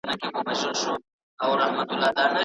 د جرم د موندلو لپاره پوره هڅه وکړئ.